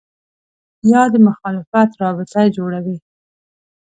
یا د مخالفت رابطه جوړوي